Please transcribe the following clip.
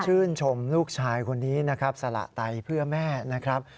ชื่นชมลูกชายคนนี้นะครับสละไตเพื่อแม่นะครับ